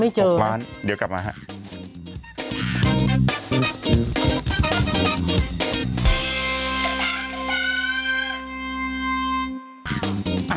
๖ล้าน๖ล้านเดี๋ยวกลับมาครับไม่เจอนะ